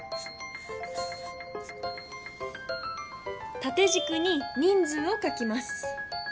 たてじくに人数を書きます。